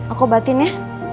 aku obatin ya